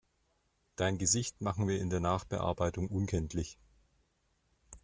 Dein Gesicht machen wir in der Nachbearbeitung unkenntlich.